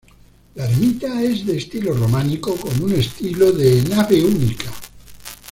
La ermita es de estilo románico con un estilo de "nave única".